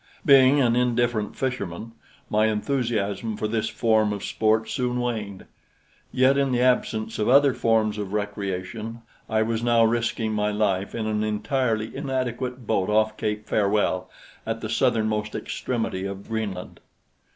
Being an indifferent fisherman, my enthusiasm for this form of sport soon waned; yet in the absence of other forms of recreation I was now risking my life in an entirely inadequate boat off Cape Farewell at the southernmost extremity of Greenland.